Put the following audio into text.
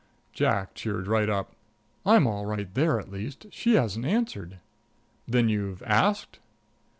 Jack cheered right up. "I'm all right there, at least. She hasn't answered." "Then you've asked?"